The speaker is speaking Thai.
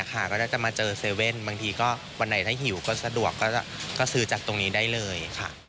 ก็จะมาเจอเซเว่นบางทีก็วันไหนถ้าหิวก็สะดวกก็ซื้อจากตรงนี้ได้เลยค่ะ